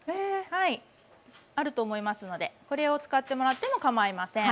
はいあると思いますのでこれを使ってもらってもかまいません。